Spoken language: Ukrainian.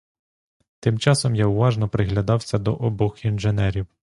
Тим часом я уважно приглядався до обох інженерів.